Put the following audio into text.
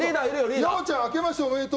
洋ちゃん、明けましておめでとう。